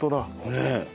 ねえ。